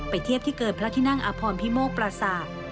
เทียบที่เกิดพระที่นั่งอพรพิโมกปราศาสตร์